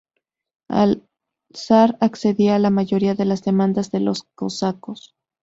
El zar accedía a la mayoría de las demandas de los cosacos.